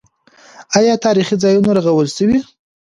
آیا تاریخي ځایونه رغول شوي؟